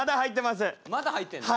まだ入ってます。